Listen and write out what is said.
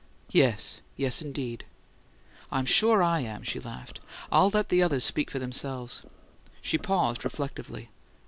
"Yes. Yes, indeed." "I'm sure I am!" she laughed. "I'll let the others speak for themselves." She paused reflectively.